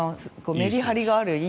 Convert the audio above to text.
メリハリがある、いい。